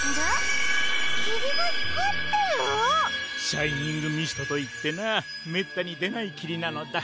シャイニングミストといってなめったにでないきりなのだ。